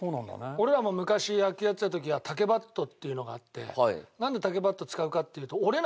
俺らも昔野球やってた時は竹バットっていうのがあってなんで竹バット使うかっていうと折れないからなんだよね。